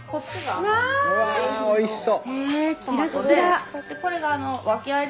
うわおいしそう！